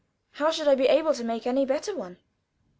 How should I be able to make any better one?